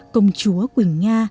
công chúa quỳnh nga